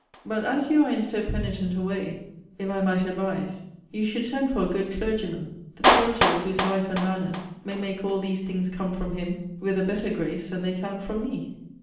But as you are in so penitent a way, if I might advise, you should send for a good clergyman, the purity of whose life and manners may make all these things come from him with a better grace than they can from me.